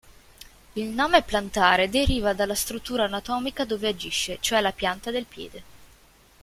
Il nome plantare deriva dalla struttura anatomica dove agisce, cioè la pianta del piede.